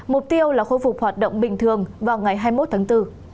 mục tiêu là khôi phục hoạt động bình thường vào ngày hai mươi một tháng bốn